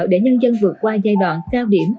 để nhân dân vượt qua giai đoạn cao điểm